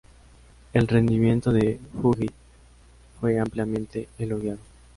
El rendimiento de Fugit fue ampliamente elogiado.